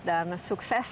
dan sukses ya